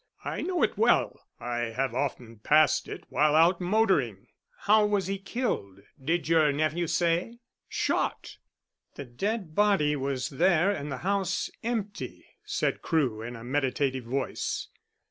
I know it well I have often passed it while out motoring." "How was he killed did your nephew say?" "Shot." "The dead body was there and the house empty," said Crewe, in a meditative voice.